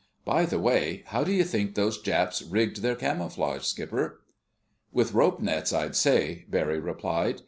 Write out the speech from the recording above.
By the way—how do you think those Japs rigged their camouflage, Skipper?" "With rope nets, I'd say," Barry replied.